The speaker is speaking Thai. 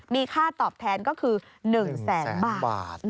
มีค่าตอบแทนก็คือ๑แสนบาท